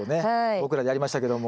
僕らでやりましたけども。